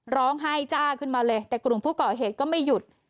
ร้องไห้จ้าขึ้นมาเลยแต่กลุ่มผู้ก่อเหตุก็ไม่หยุด